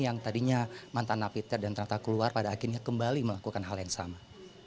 yang tadinya mantan napiter dan ternyata keluar pada akhirnya kembali melakukan hal yang sama